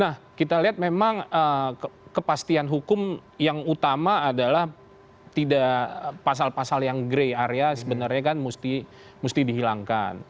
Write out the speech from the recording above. nah kita lihat memang kepastian hukum yang utama adalah tidak pasal pasal yang grey area sebenarnya kan mesti dihilangkan